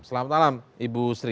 selamat malam ibu sri